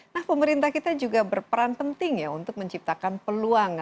nah pemerintah kita juga berperan penting ya untuk menciptakan peluang